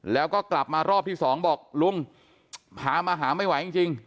แล้วก็กลับมารอบที่สองบอกลุงพามาหาไม่ไหวจริง